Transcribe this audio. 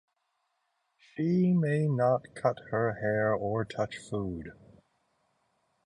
She may not cut her hair or touch food.